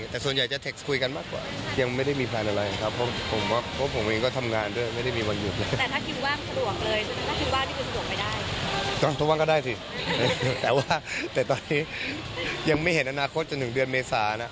แต่ว่าแต่ตอนนี้ยังไม่เห็นอนาคตจนถึงเดือนเมษานะ